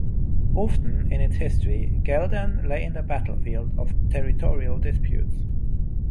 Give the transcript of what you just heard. Often in its history, Geldern lay in the battlefield of territorial disputes.